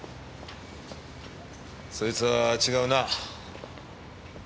そいつは違うなあ。